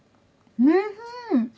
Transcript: おいしい！